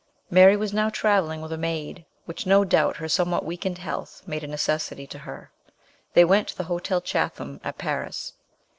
Mary was now travelling with a maid, which no doubt her somewhat weakened health made a necessity to her. They went to the Hotel Chatham at Paris.